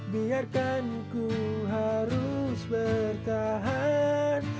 biarkan ku harus bertahan